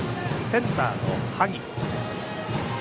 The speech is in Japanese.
センターの萩。